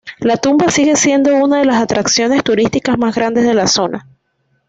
La tumba sigue siendo una de las atracciones turísticas más grandes de la zona.